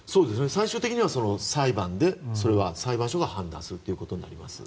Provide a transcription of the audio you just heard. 最終的には裁判でそれは裁判所が判断することになります。